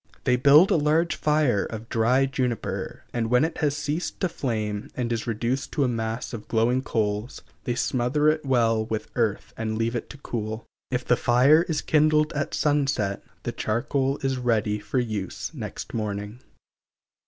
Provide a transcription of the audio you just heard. They build a large fire of dry juniper, and when it has ceased to flame and is reduced to a mass of glowing coals, they smother it well with earth and leave it to cool. If the fire is kindled at sunset, the charcoal is ready for use next morning.